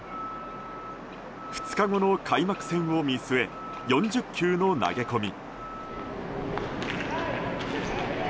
２日後の開幕戦を見据え４０球の投げ込み。